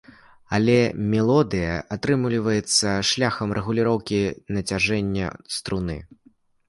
А мелодыя атрымліваецца шляхам рэгуліроўкі нацяжэння струны.